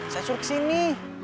saya suruh kesini